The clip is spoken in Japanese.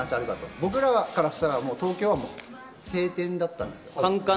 僕からしたら東京は、晴天だったんですよ。